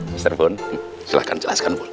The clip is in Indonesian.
mr pun silahkan jelaskan bol